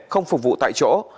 không phục vụ tại chỗ